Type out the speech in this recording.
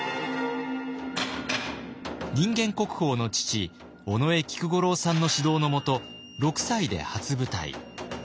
人間国宝の父尾上菊五郎さんの指導のもと６歳で初舞台。